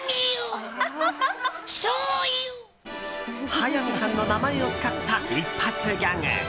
早見さんの名前を使った一発ギャグ。